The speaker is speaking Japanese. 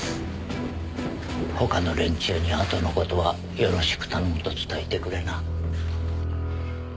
他の連中にあとの事はよろしく頼むと伝えてくれな。